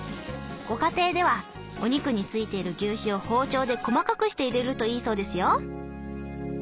ご家庭ではお肉についている牛脂を包丁で細かくして入れるといいそうですよ。